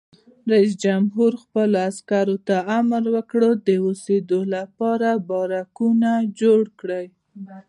رئیس جمهور خپلو عسکرو ته امر وکړ؛ د اوسېدو لپاره بارکونه جوړ کړئ!